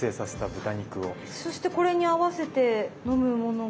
そしてこれに合わせて飲むものが。